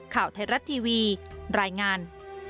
ข่าวไทยรัฐทีวีรายงาน